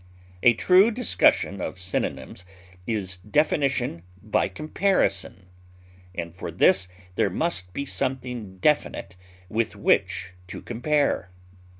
A true discussion of synonyms is definition by comparison, and for this there must be something definite with which to compare.